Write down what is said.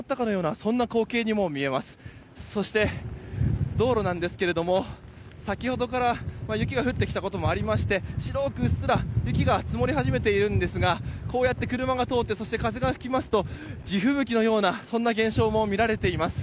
そして、道路なんですけれども先ほどから雪が降ってきたこともありまして白くうっすら雪が積もり始めているんですがこうやって車が通って、風が吹きますと地吹雪のような現象も見られています。